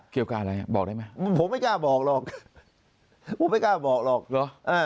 เกี่ยวกับอะไรอ่ะบอกได้ไหมผมไม่กล้าบอกหรอกผมไม่กล้าบอกหรอกเหรอ